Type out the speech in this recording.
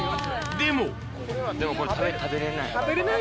でもこれ、食べれない。